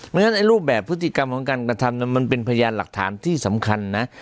ฉะรูปแบบพฤติกรรมของการกระทำมันเป็นพยานหลักฐานที่สำคัญนะ